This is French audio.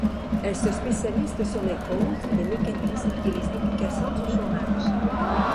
Elle se spécialiste sur les causes, les mécanismes et les implications du chômage.